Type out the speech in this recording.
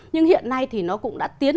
nhưng hiện nay thì nó cũng đã tiến